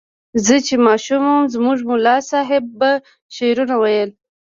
زه چې ماشوم وم زموږ ملا صیب به شعرونه ویل.